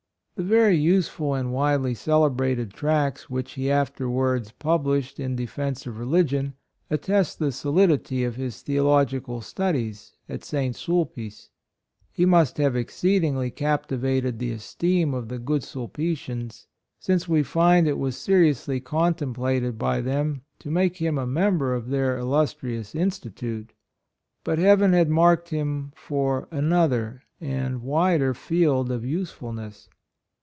The very use ful and widelv celebrated tracts which he afterwards published in defence of religion, attest the solid ity of his theological studies at St. EVIDENCE OF VOCATION. 45 Sulpice. He must have exceedingly captivated the esteem of the good Sulpitians, since we find it was se riously contemplated by them to make him a member of their illus trious Institute. But heaven had marked him for another and wider field of usefulness.